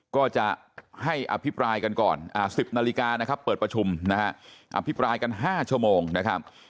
ก็จะให้อภิปรายกันก่อน๑๐นาฬิกานะครับเปิดประชุมนะฮะอภิปรายกัน๕ชั่วโมงนะครับ